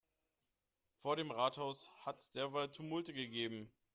Vor dem Rathaus hat es derweil Tumulte gegeben.